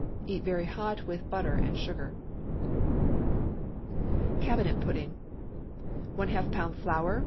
Eat very hot with butter and sugar. CABINET PUDDING. ½ lb. flour.